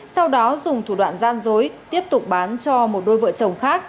sau đó dùng thủ đoạn gian dối tiếp tục bán cho một đôi vợ chồng khác